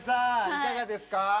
いかがですか？